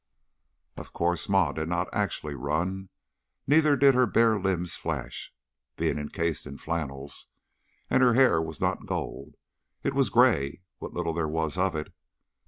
Of course Ma did not actually run. Neither did her bare limbs flash being incased in flannels. And her hair was not gold. It was gray, what little there was of it.